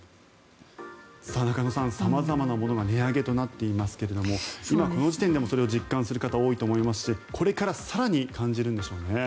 中野さん、様々なものが値上げとなっていますが今、この時点でもそれを実感する方多いと思いますしこれから更に感じるんでしょうね。